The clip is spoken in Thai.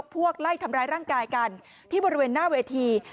ไล่ทำร้ายร่างกายกันที่บริเวณหน้าเวที